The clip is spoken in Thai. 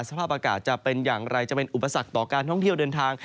สภาพอากาศจะเป็นอย่างไรจะเป็นอุปสรรคต่อการท่องเที่ยวเดินทาง